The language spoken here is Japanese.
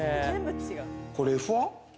これＦ１？